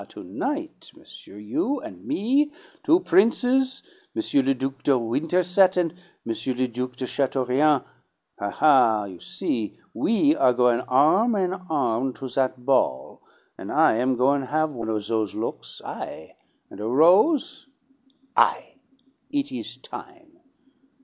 to night, monsieur, you and me, two princes, M. le Duc de Winterset and M. le Duc de Chateaurien ha, ha! you see? we are goin' arm in arm to that ball, and I am goin' have one of those looks, I! And a rose! I! It is time.